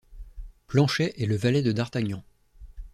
Planchet est le valet de d'Artagnan.